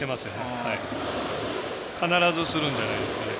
必ず、するんじゃないですかね